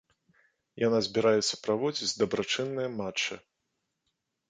Яна збіраецца праводзіць дабрачынныя матчы.